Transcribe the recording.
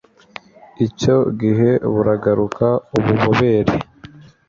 icyo gihe buragaruka ububobere